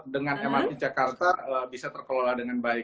dengan mrt jakarta bisa terkelola dengan baik